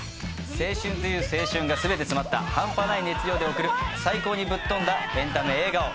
青春という青春が全て詰まった半端ない熱量で送る最高にぶっ飛んだエンタメ映画を。